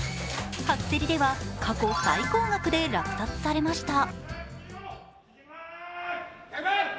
初競りでは過去最高額で落札されました。